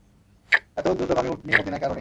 এত দ্রুতগামী উটনী মদীনায় কারো নেই।